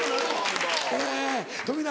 え富永